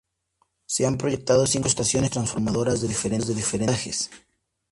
Se han proyectado cinco estaciones transformadoras de diferentes voltajes.